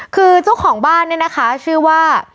คือเจ้าของบ้านเนี่ยนะคะชื่อว่า